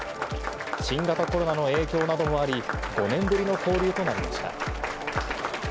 新型コロナの影響などもあり、５年ぶりの交流となりました。